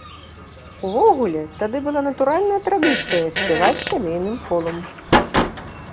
Увогуле, тады была натуральная традыцыя спяваць сямейным колам.